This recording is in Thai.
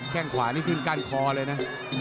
แค่งขวานี่ขึ้นก้านคอเลยนะ